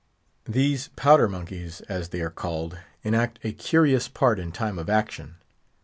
These Powder monkeys, as they are called, enact a curious part in time of action.